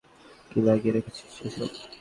কী লাগিয়ে রেখেছিস এসব?